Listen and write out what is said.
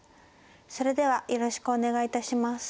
それではよろしくお願いいたします。